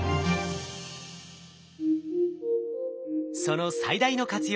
その最大の活用